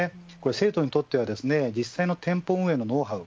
生徒にとっては実際の店舗運営のノウハウ